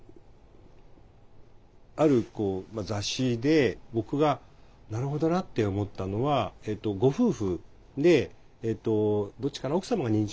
ある雑誌で僕がなるほどなって思ったのはご夫婦でどっちかな奥様が認知症だったのかな。